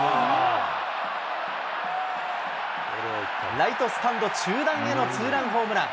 ライトスタンド中段へのツーランホームラン。